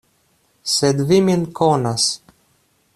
Sed vi min konas.